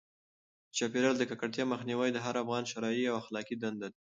د چاپیریال د ککړتیا مخنیوی د هر افغان شرعي او اخلاقي دنده ده.